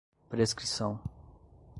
prescrição